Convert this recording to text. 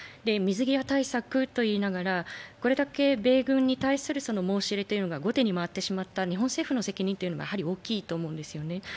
水際対策といいながら、これだけ米軍に対する申し入れが後手に回ってしまった日本政府の責任がやはり大きいと思うんですよね。